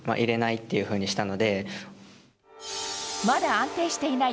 まだ安定していない